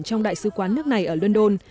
trong đại sứ quán nước này ở london